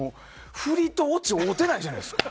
振りとオチ合ってないじゃないですか。